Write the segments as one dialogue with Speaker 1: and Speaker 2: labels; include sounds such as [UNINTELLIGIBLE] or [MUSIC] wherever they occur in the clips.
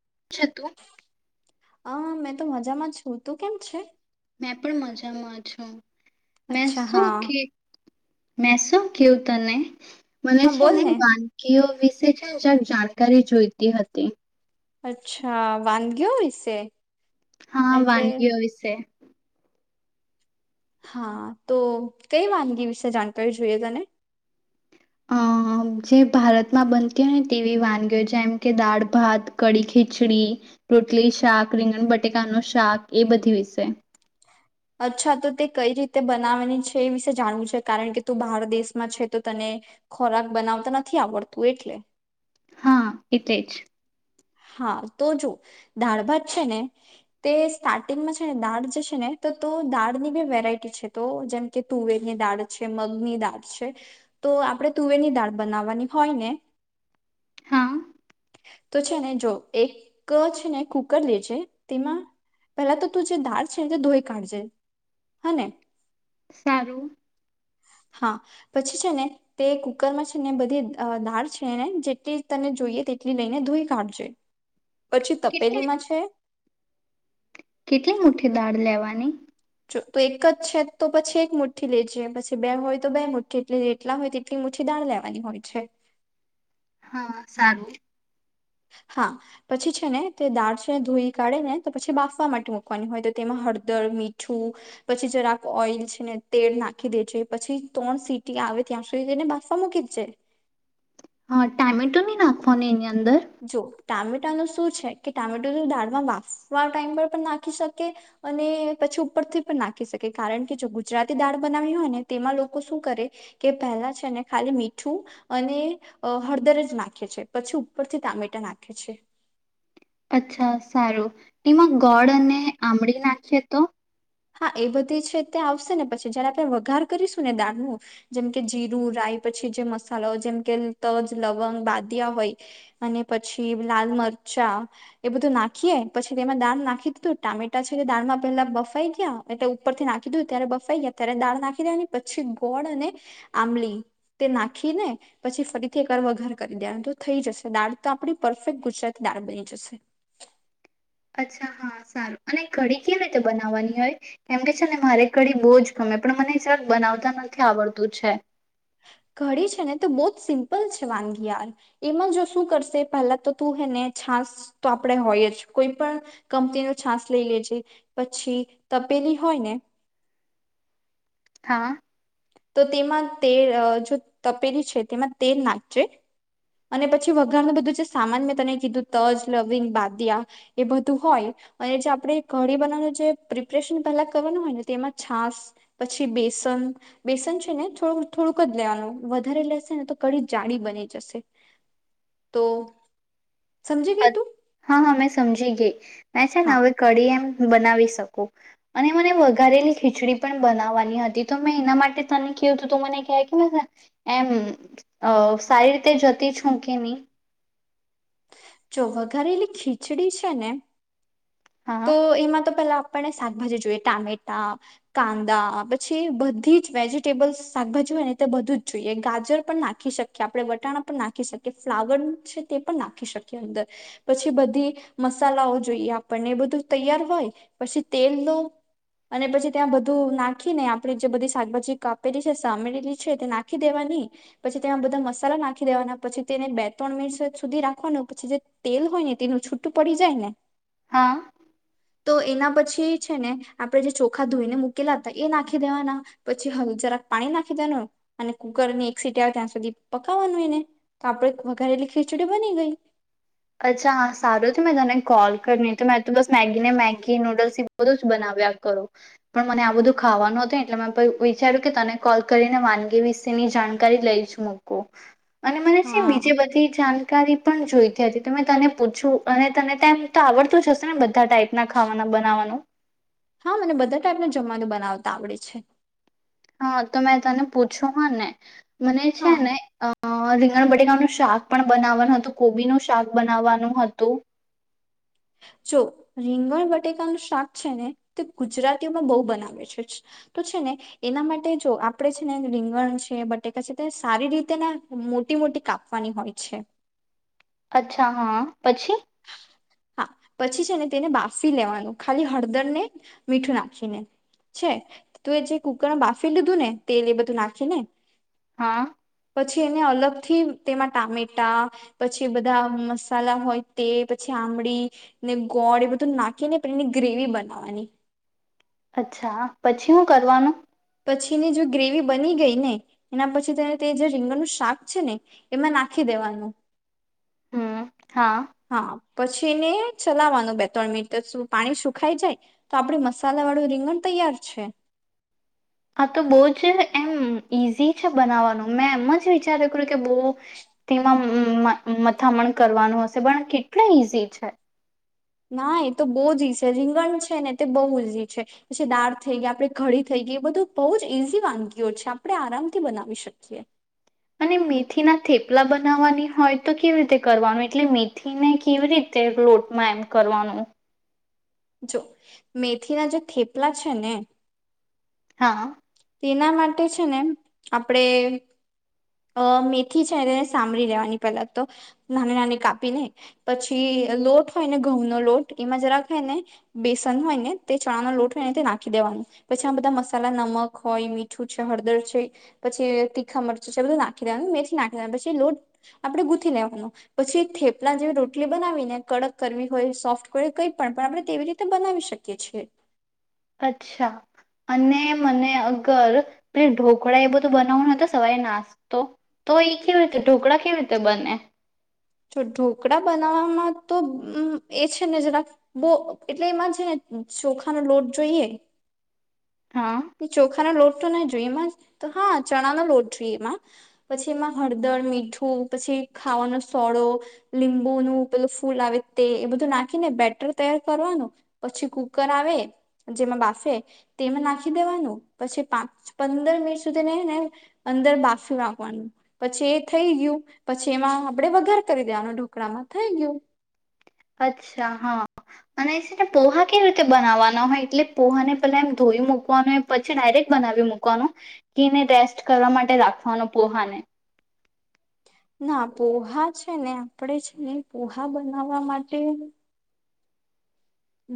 Speaker 1: [UNINTELLIGIBLE]
Speaker 2: હ મેં તો મજામાં છું, તું કેમ છે?
Speaker 1: મેં પણ મજામાં છું. મે
Speaker 2: અચ્છા હા
Speaker 1: સુખી મેં શું કેવું તને મને
Speaker 2: હા
Speaker 1: છે
Speaker 2: બોલ
Speaker 1: ને વાનકીઓ વિશ જે છેન, જરાક જાણકારી જોઈતી હતી.
Speaker 2: અચ્છા, વાનગીઓ વિશે?
Speaker 1: હા
Speaker 2: એટલે
Speaker 1: વાનગીઓ વિશે.
Speaker 2: હા તો, કઈ વાનગી વિશે જાણકારી જોઈએ તને?
Speaker 1: અ જે ભારતમાં બનતી હોય ને તેવી વાનગીઓ જેમ કે દાળ ભાત, કડી ખીચડી, રોટલી શાક, રીંગણ બટેકાનું શાક, એ બધી વિશે.
Speaker 2: અચ્છા તો તે કઈ રીતે બનાવાની છે એ વિશે જાણવું છે કારણ કે તું બહાર દેશમાં છે તો તને ખોરાક બનાવતા નથી આવડતું એટલે.
Speaker 1: હા, એટલેજ.
Speaker 2: હા તો જો દાળ ભાત છે ને તે સ્ટાર્ટિંગમાં છે, ને દાળ જે છે ને તો તુ દાળ ની બી વેરાયટી છે, તો જેમ કે તુવેરની દાળ છે, મગની દાળ છે તો આપણે તુવેરની દાળ બનાવવાની હોય ને
Speaker 1: હા
Speaker 2: તો છે ને જો એક છે ને કુકર લેજે તેમાં પેલા તો તું જે દાળ છે ને તે ધોઈ કાઢજે, હ ને?
Speaker 1: સારું.
Speaker 2: હા પછી છે ને, તે કુકરમાં છે ને, બધી અ દાળ છેને જેટલી તને જોઈએ તેટલી લઈને ધોઈ [UNINTELLIGIBLE] પછી
Speaker 1: કેટલી
Speaker 2: તપેલીમાં છે
Speaker 1: કેટલી મુઠી દાળ લેવાની??
Speaker 2: જો તો એક જ છે તો પછી એક મુઠ્ઠી લેજે, પછી બે હોય તો બે મુઠ્ઠી, એટલે જેટલા હોય તેટલી મુઠ્ઠી દાણ લેવાની હોય છે.
Speaker 1: હા, સારું.
Speaker 2: હા પછી છે ને, તે દાળ છે ધોઈ કાઢે ને તો પછી બાફવા માટે મુૂકવાની હોય તો તેમાં હળદર, મીઠું, પછી જરાક ઓઈલ છે ને તેલ નાખી દેજે પછી તોળ સીટી આવે ત્યાં સુધી તેને બાફવા મૂકી જ જે.
Speaker 1: હ, તામેટુ નિ નાખવાનુ એની અંદર
Speaker 2: જો, ટામેટાનું શું છે, કે ટામેટુ તું દાળમાં વાફવા ટાઈમ પર પણ નાખી શકે અને પછી ઉપરથી પણ નાખી શકે, કારણ કે જો ગુજરાતી દાળ બનાવી હોય ને તેમાં લોકો શું કરે, કે પહેલા છેને ખાલી મીઠું અને હળદર જ નાખે છે, પછી ઉ પર થી તામેટા નાખે છે.
Speaker 1: અચ્છા સારું, એમાં ગોળ અને આમડી નાખીએ તો?
Speaker 2: હા એ બધી છે તે આવશે ને પછી જ્યારે આપણે વઘાર કરીશું ને દાળનું જેમ કે જીરું, રાય, પછી જે મસાલો જેમ કે તજ, લવંગ, બાદિયા હોય અને પછી લાલ મરચા એ બધું નાખીએ પછી તેમાં દાળ નાખી દીધું, ટામેટા છે દાળમાં પેલા બફાઈ [UNINTELLIGIBLE] એ તે ઉપરથી નાખી દઉ ત્યારે બફાઈ ગયા ત્યારે દાળ નાખી દે પછી ગોળ અને આંમલી તે નાખીને પછી ફરીથી એ કાર વઘાર કરી દેઆનો તો થઈ જશે દાળ તો આપડી પરફેક્ટ ગુજરાતી દાળ બની જશે.
Speaker 1: અચ્છા હા સારું, અને કડી કેવી રીતે બનાવવાની હોય કેમ, કે ચ ને મારે કાઢી બહુ જ ગમે પણ મને સર બનાવતા નથી આવડતું છે.
Speaker 2: કઢી છે ને તો બોજ સિમ્પલ છે વાનગી યા, એમાં જો શું કરશે પહેલા તો તું હે ને છાાસ તો આપણે હોય જ કોઈ પણ કંપની ન છાાસ લઈ લેજે, પછી તપેલી હોય ને
Speaker 1: હા
Speaker 2: તો તેમાં તે જો તપેલી છે તેમાં તેલ નાખજે અને પછી વઘારનું બધું જે સામાન મેં તને કીધું તજ, લવિંગ બાદિયા, એ બધું હોય અને જે આપણે કઢી બનાવવાનું જે પ્રિપરેશન પહેલા કરવાનું હોય ને તેમાં છાસ, પછી બેસન બેસન છે થોડું થોડુંક જ લેવાનું વધારે લેશે ને તો કડી જાળી બની જશે, તો સમજી ગઈ તું
Speaker 1: [INAUDIBLE] હા હા મે સમજી ગઈ. અચ છેને
Speaker 2: હા
Speaker 1: હવે કડી એમ બનાવી શકું. અને મને વઘારેલી ખીચડી પણ બનાવવાની હતી તો મેં એના માટે તને કીધૂ તો મને કહે કે એમ અ સારી રીતે જતી છું કે ની?
Speaker 2: જો વઘારેલી ખીચડી છે ને
Speaker 1: હા
Speaker 2: તો એમાં તો પેલા આપને શાકભાજી જોઈએ ટામેટા, કાંદા પછી બધી જ વેજીિટેબલ્ શાકભાજી હોય ને તે બધું જ જોઈએ ગાજર પણ નાખી શકીએ, આપણે વટાણા પણ નાખી શકીએ, ફ્લાવર છે તે પણ નાખી શકીએ અંદર પછી બધી મસાલાઓ જોઈએ આપણને તૈયાર હોય પછી તેલ લો અને પછી ત્યાં બધું નાખીને આપડી જે બધી શાકભાજી કાપેલી છે સામેલી છે તે નાખી દેવાની પછી તેમાં બધા મસાલા નાખી દેવાના પછી તેને બે ત્રણ મિનિ સુધી રાખવાનું પછી જે તેલ હોય ને તેનું છૂટું પડી જાય ને
Speaker 1: હા.
Speaker 2: તો એના પછી છે ને આપણે જે ચોખા ધોઈને મુૂકેલા હતા એ નાખી દેવાના, પછી હલ જરાક પાણી નાખી દેવા અને કુકર ની એક સીટી આવે ત્યાં સુધી પકવાનું એને તો આપણે વઘારેલી ખીચડી બની ગઈ.
Speaker 1: અચ્છા હા સારું હતું મેં તને કોલ કરી મેં તો બસ મેગી ને મેગી નૂડલ્સ એ બધું જ બનાવ્યા કરું. પણ મને આ બધું ખાવાનું હતુંને એટલે મેં વિચાર્યું કે તને કોલ કરીને વાનગી વિશેની જાણકારી લઈ જ મૂકુ. અને મને છેમ
Speaker 2: હા
Speaker 1: બીજે બધી જાન કારી પણ જોઈ ત્યારે તો મેં તને પૂછું અને તને તેમ તો આવડતું જ હશે ને બધા ટાઈપના ખાવાના બનાવવાનું?
Speaker 2: હા મને બધા ટાઈપનું જમવાનું બનાવતા આવડે છે.
Speaker 1: હા તો મેં તને પૂછું હા ને મને છે
Speaker 2: હા
Speaker 1: ને અ અ રીંગણ બટેકાનું શાક પણ બનાવવાનું હતું, કોબીનું શાક બનાવવાનું હતું.
Speaker 2: જો રીંગણ બટેકાનું શાક છે ને તે ગુજરાતીઓમાં બહુ બનાવે છે તો છે ને એના માટે જો આપણે છે ને રીંગણ છે, બટેકા છે તે સારી રીતેના મોટી મોટી કાપવાની હોય છે.
Speaker 1: અચ્છા હા પછી?
Speaker 2: હા પછી છે ને તેને બાફી લેવાનું ખાલી હળદર ને મીઠું નાખીને છે તું એ જે કુકરમાં બાફી લીધું ને તેલ એ બધું નાખીને
Speaker 1: હા.
Speaker 2: પછી એને અલગ થી તેમાં ટામેટા પછી બધા મસાલા હોય તે પછી આંબળી ને ગોળ એ બધું નાખીને એની ગ્રેવી બનાવવાની.
Speaker 1: અચ્છા હા પછી હું કરવાનું?
Speaker 2: પછીની જો ગ્રેવી બની ગઈ ને એના પછી તેને તે જે રીંગણનું શાક છે ને એમાં નાખી દેવાનું.
Speaker 1: હા.
Speaker 2: પછીને ચલાવાનું બે ત્રણ મિનિટ સુ પાણી સુખાઈ જાય તો આપડુ મસાલા વાળું રીંગણ તૈયાર છે.
Speaker 1: આ તો બહુ જ એમ ઈઝી છે બનાવવાનું મેં એમ જ વિચારે કર્યું કે બો તેમાં મ મથામણ કરવાનું હશે પણ કેટલુ ઈઝી છે.
Speaker 2: ના એ તો બવ જ ઈઝ છે રીંગણ છે ને તે બહુ ઈઝી છે પછી દાળ થઈ ગયા આપણે કડી થઈ ગઈ એ બધું બહુ જ ઈઝી વાનગીઓ છે. આપણે આરામથી બનાવી શકીએ.
Speaker 1: અને મેથીના થેપલા બનાવવાની હોય તો કેવી રીતે કરવાનું? એટલે મેથીને કેવી રીતે લોટમાં એમ કરવાનું?
Speaker 2: જો મેથીના જે થેપલા છે ને
Speaker 1: હા.
Speaker 2: તેના માટે છે ને આપણે અ મેથી છે ને સામળી લેવાની પહેલા તો નાની નાની કાપીને પછી લોટ હોય ને ઘઉંનો લોટ એમાં જરાક હે ને બેસન હોય ને તે ચણાનો લોટ હોય ને તે નાખી દેવાનું પછી આમાં બધા મસાલા, નમક હોય મીઠું છે, હળદર છે, પછી તીખા મરચું છે બધું નાખી દેવાનું મેથી નાખી દેવાનું, પછી લોટ આપણેે ગૂંથી લેવાનો પછી થેપલા જેવી રોટલી બનાવી ને કડક કરવી હોય સોફ્ટ હોય કઈ પણ પણ આપણે તેવી રીતે બનાવી શકીએ છીએ.
Speaker 1: અચ્છા અને મને અગર પે ઢોકળા એ બધું બનાવનું હતું સવારે નાસ્તો તો એ કેવી રીતે ઢોકળા કેવી રીતે બને?
Speaker 2: તો ઢોકળા બનાવવામાં તો એ છે ને જરા બો એટલે એમાં છે ને ચોખાનો લોટ જોઈએ
Speaker 1: હા
Speaker 2: એ ચોખાનો લોટ ના જોઈએ એમાં તો હા ચણા નો લોટ જોઈએ એમાં, પછી એમાં હળદર, મીઠું, પછી ખાવાનો સોડો, લીંબુ નું પેલું ફૂલ આવે તે એ બધું નાખીને બેટર તૈયાર કરવાનું પછી કુકર આવે જેમાં બાફે તેમાં નાખી નાખી દેવાનું પછી પાંચ પંદર મિનિટ સુધીને એને અંદર બાફી નાખવાનું પછી એ થઈ ગયું પછી એમાં આપણેે વઘાર કરી દેવાનું ઢોકળામાં થઈ ગયું.
Speaker 1: અચ્છા હા અને છે ને પોહા કેવી રીતે બનાવવાના હોય એટલે પોહાને પેલા એમ ધોઈ મૂકવાનુંય પછી ડાયરેક્ટ બનાવી મૂકવાનું કેને રેસ્ટ કરવા માટે રાખવાનો પોહાને.
Speaker 2: ના પોહા છે ને આપણે છે ને પોહા બનાવવા માટે.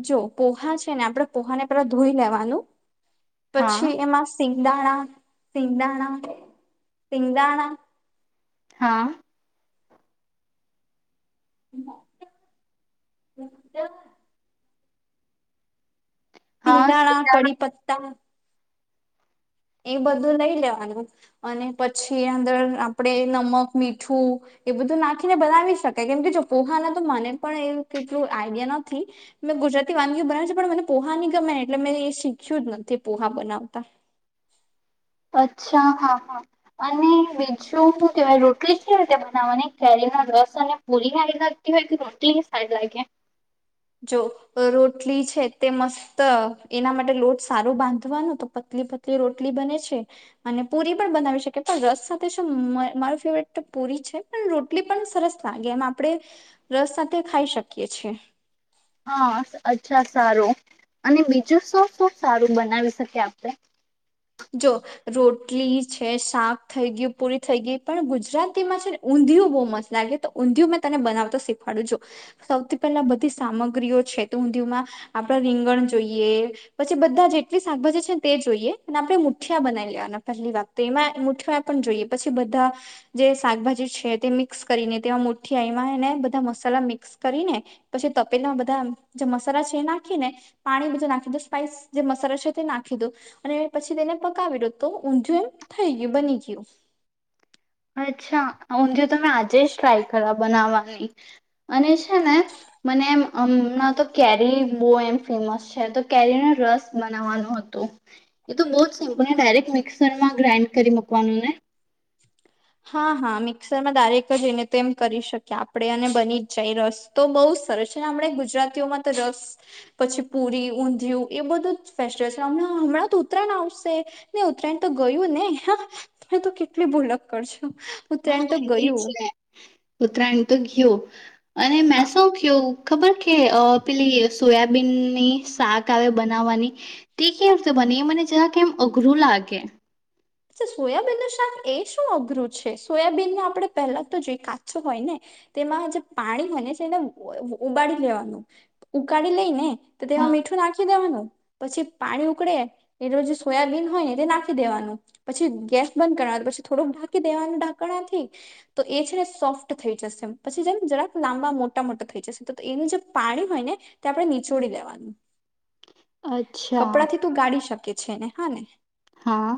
Speaker 2: જો પોહા છે ને આપડણે પોહાને પેલા ધોઈ લેવાનું.
Speaker 1: હા
Speaker 2: પછી એમાં સિ સિંધાણા સિંધાણા સિંગાણા
Speaker 1: હા
Speaker 2: [INAUDIBLE]
Speaker 1: હા
Speaker 2: સિંગદાણા,
Speaker 1: સીધા
Speaker 2: કડી પત્તા એ બધું લઈ લેવાનું અને પછી અંદર આપણે નમક, મીઠું એ બધું નાખીને બનાવી શકાય. કેમ કે જો પોહાના તો મને પણ એવ કેટલું આઈડિયા નથી. મેં ગુજરાતી વાનગીઓ બનાવી છે પણ મને પોહા ની ગમે, એટલે મેં એ શીખ્યું જ નથી પોહા બનાવતા.
Speaker 1: અચ્છા, હા હા અને બીજું હું કેવાય, રોટલી કેવી રીતે બનાવવાની? કેરીનો રસ અને પૂરી હારી લાગતી હોય કે રોટલી સારી લાગે?
Speaker 2: જો રોટલી છે તે મસ્ત એના માટે લોટ સારું બાંધવાનો, તો પતલી પતલી રોટલી બને છે. અને પુરી પણ બનાવી શકે પણ રસ સાથે મ મારું ફેવરેટ તો પુરી છે. પણ રોટલી પણ સરસ લાગે. એમ આપણે રસ સાથે ખાઈ શકીએ છે.
Speaker 1: હા, અચ્છા, સારું અને બીજું શું શું સારું બનાવી શકીએ આપણે?
Speaker 2: જો રોટલી છે, શાક થઈ ગ્યું, પુરી થઈ ગઈ પણ ગુજરાતીમાં છે ને ઊંધિયું બો મસ્ત લાગે, તો ઊંધિયું મેં તને બનાવતા શીખવાડું જો. સૌથી પહેલા બધી સામગ્રીઓ છે. તો ઊંધિયુંમાં આપડા રીંગણ જોઈએ, પછી બધા જેટલી શાકભાજી છે તે જોઈએ. અને આપણે મુઠિયા બનાવી લેવાના પહેલી વાત. તો એમાં મુઠીયા પણ જોઈએ. પછી બધા જે શાકભાજી છે તે મિક્સ કરીને તેમાં મુઠિયા, એમાં હેને બધા મસાલા મિક્સ કરીને પછી તપેલામાં બધા જે મસાલા છે એ નાખી ને, પાણી બધું નાખી દું સ્પાઈસ જે મસાલો છે તે નાખી દો અને પછી તેને પકાવી દો તો ઊંધિયું એમ થઈ ગ્યું, બની ગયું.
Speaker 1: અચ્છા, ઊંધિયુ તો મેં આજે જ ટ્રાય કરવા બનાવવા ગયલી. અને છે ને મને એમ અમણાં તો કેરી બો એમ ફેમસ છે. તો કેરીનો રસ બનાવવાનું હતું. એ તો બો જ સિમ્પલને ડાયરેક્ટ મિક્સરમાં ગ્રાઇન્ડ કરી મકવાનું ને
Speaker 2: હા હા મિક્સરમાં દારેક જ એને તો એમ કરી શકીએ આપણે અને બની જ જાય રસ તો બહુ જ સરસ છે ને હમણા ગુજરાતીઓમાં તો રસ પછી પુરી ઊંધિયું એ બધું જ ફેસ્ટિવલ છેણાં હમણાં તો ઉત્તરાયણ આવશે ને ઉત્તરાયણ તો ગયું ને તો કેટલી ભૂલ. કરશ.
Speaker 1: હા એ જ પત્રરાની તો ઘયો. અને મે
Speaker 2: હા
Speaker 1: શું કયું. ખબર કે અ પેલી સોયાબીનની શાક આવે બનાવવાની તે કેવી રીતે બને મને જરા કેમ અઘરું લાગે.
Speaker 2: સોયાબીન નું શાક એ શું અઘરું છે. સોયાબીનને આપણે પહેલા તો જો કાચો હોય ને તેમાં જે પાણી હોય છે એને ઉબાડી લેવાનું ઉગાળ લઈ ને તો તેમાં
Speaker 1: હા
Speaker 2: મીઠું નાખી દેવાનું. પછી પાણી ઉકળે એલે જે સોયાબીન હોય ને તે નાખી દેવાનું. પછી ગેસ બંધ કરવા પછી થોડુંક ઢાંકી દેવાનું ઢાંકણાથી તો એ છે ને સોફ્ટ થઈ જશે પછી જેમ જરાક લાંબા મોટા મોટા થઈ જશે તો એનું જે પાણી હોય ને તે આપણે નીચોડી દેવાનું.
Speaker 1: અચ્છા
Speaker 2: કપડા થી તું ગાડી શકે. છે ને હા ને.
Speaker 1: હા.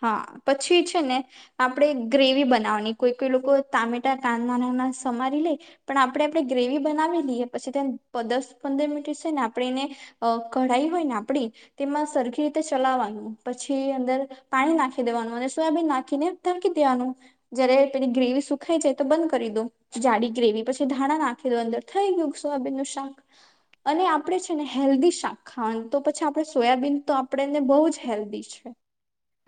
Speaker 2: હા પછી છે ને આપણે ગ્રેવી બનાવાની કોઈ કોઈ લોકો ટામેટા કાનના નાના સમારી લે પણ આપણે આપણે ગ્રેવી બનાવી લઈએ પછી તમ દસ પંદર મિનિટ છે ને આપણે એને કઢાઈ હોય ને આપડી તેમાં સરખી રીતે ચલાવવાનું પછી અંદર પાણી નાખી દેવાનું અને સોયાબીન નાખીને ઢાંકી દેવાનું જયારે પેલી ગ્રેવી સુખાઈ જાય તો બંધ કરી દો જાડી ગ્રેવી પછી ધાણા નાખી દો અંદર થઈ ગયું સોયાબીન નું શાક અને આપણે છે ને હેલ્ધી શાક ખાવાનું તો પછી આપણે સોયાબીન તો આપણેને બહુ જ હેલ્ધી છે.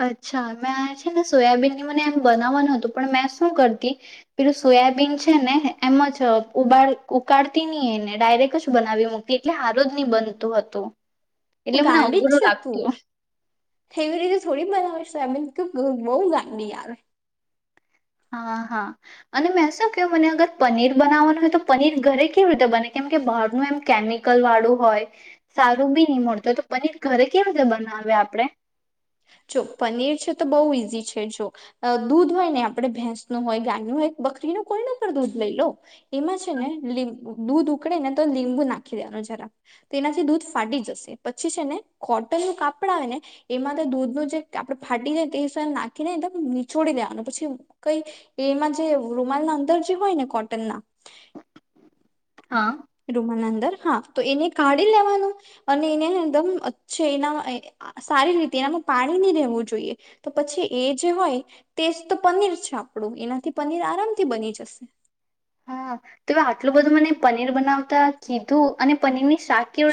Speaker 1: અચ્છા મેં છે ને સોયાબીનની મને એમ બનાવવાનું હતું પણ મેં શું કરતી પેલું સોયાબીન છે ને એમ જ ઉાડ ઉકાળતી ની એને ડાયરેક્ટ જ બનાવી મૂકતી એટલે હારું જ નહી બનતું હતું. એટલે મને
Speaker 2: ગાંડી જ
Speaker 1: અઘરું
Speaker 2: છે તું,
Speaker 1: લાગતું
Speaker 2: હેવી રીતે થોડી બનાવી. એમનેમ કેમ બહુ ગાની યાર.
Speaker 1: હા હા અને મેં શું ક્યું મને અગર પનીર બનાવવાનું હોય તો પનીર ઘરે કેવી રીતે બને કેમ કે બહારનું એમ કેમિકલ વાળું હોય, સારું બી નહી મળતું હોય તો પનીર ઘરે કેવી રીતે બનાવે આપણે?
Speaker 2: જો પનીર છે તો બઉુ ઈઝી છે જો દૂધ હોય ને આપડે ભેંસ નું હોય, ગાયનું હોય, બકરીનું કોઈના પર દૂધ લઈ લો. એમાં છે ને લી દૂધ ઉકળે ને તો લીંબુ નાખી દેવાનું જરા તો એનાથી દૂધ ફાટી જશે પછી છે ને કોટન ન કાપડ આવે ને એમાં દૂધ નો જે આપણે ફાટી જાય તે એ નાખીને એકમ ચોડી દેવાનો અને પછી કઈ એમાં જે રૂમાલ ના અંદર જે હોય ને કોટન ના.
Speaker 1: હા
Speaker 2: રૂમાલ ના અંદર હા, તો એને કાઢી લેવાનું અને એને એકદમ અચે એના સારી રીત તેનામાં પાણીની રહેેવું જોઈએ, તો પછી એ જે હોય તેજ તો પનીર છે આપડુ, એનાથી પનીર આરામથી બની જશે.
Speaker 1: હા, તો આટલું બધું મને પનીર બનાવતા કીધું અને પનીર ની શાક કેવ